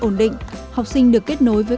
ổn định học sinh được kết nối với